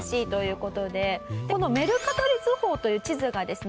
このメルカトル図法という地図がですね